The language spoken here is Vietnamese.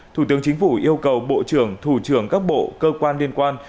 thủ tướng chính phủ yêu cầu bộ trưởng thủ trưởng các bộ cơ quan liên quan